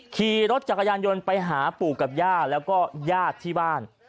ขี่รถจักรยานยนต์ไปหาปู่กับย่าแล้วก็ญาติที่บ้าน